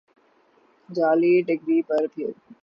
جعلی ڈگری پر بھا